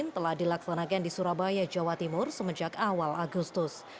telah dilaksanakan di surabaya jawa timur semenjak awal agustus